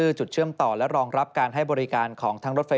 โดยรฟทจะประชุมและปรับแผนให้สามารถเดินรถได้ทันในเดือนมิถุนายนปี๒๕๖๓